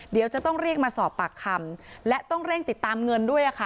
เดี๋ยวจะต้องเรียกมาสอบปากคำและต้องเร่งติดตามเงินด้วยค่ะ